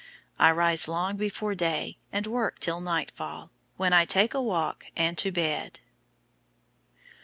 I rise long before day, and work till nightfall, when I take a walk and to bed."